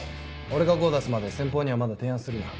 俺がゴー出すまで先方にはまだ提案するな。